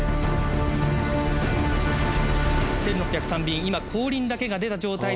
「１６０３便今後輪だけが出た状態で」